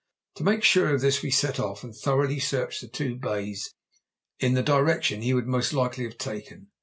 To make sure of this we set off and thoroughly searched the two bays in the direction he would most likely have taken.